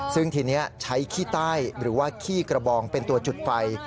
ซึ่งทีนี้ใช้ขี้ใต้หรือว่าขี้กระบองเป็นตัวจุดไฟ